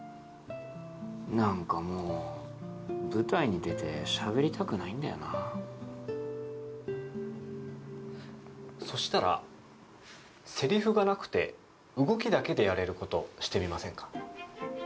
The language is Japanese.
何かもう舞台に出てしゃべりたくないんだよなそしたらセリフがなくて動きだけでやれることしてみませんか？